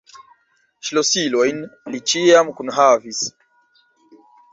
Ŝlosilojn li ĉiam kunhavis.